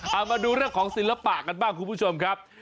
เอามาดูเรื่องของศิลปะกันบ้างคุณผู้ชมครับ